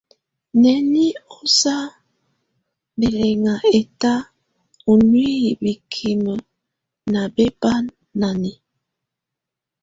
Nəni ɔsa bɛlinŋa ɛta ɔ nuiyi bikimə ná bɛ́ bánáni.